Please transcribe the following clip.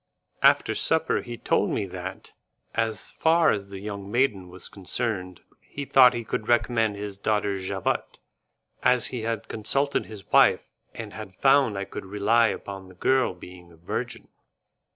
After supper he told me that, as far as the young maiden was concerned, he thought he could recommend his daughter Javotte, as he had consulted his wife, and had found I could rely upon the girl being a virgin.